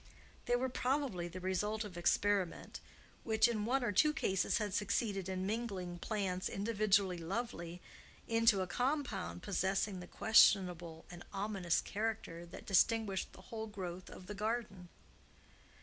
They were probably the result of experiment, which in one or two cases had succeeded in mingling plants individually lovely into a compound possessing the questionable and ominous character that distinguished the whole growth of the garden.